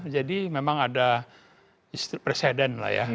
jadi memang ada presiden lah ya